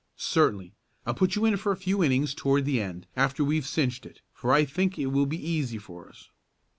"Certainly. I'll put you in for a few innings toward the end, after we've cinched it, for I think it will be easy for us."